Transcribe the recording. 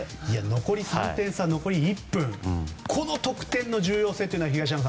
残り３点差、残り１分この特典の重要性というのは。